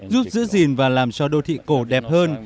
giúp giữ gìn và làm cho đô thị cổ đẹp hơn